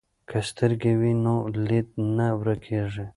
که سترګې وي نو لید نه ورکیږي.